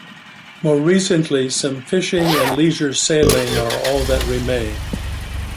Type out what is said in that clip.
More recently, some fishing and leisure sailing are all that remain.